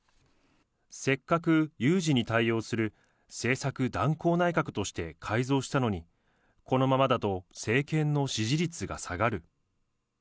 せっかく有事に対応する政策断行内閣として改造したのに、このままだと政権の支持率が下がる。